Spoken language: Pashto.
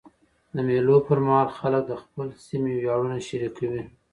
د مېلو پر مهال خلک د خپل سیمي ویاړونه شریکوي.